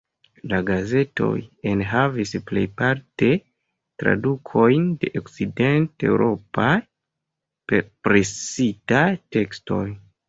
La gazetoj enhavis plejparte tradukojn de okcident-eŭropaj presitaj tekstoj.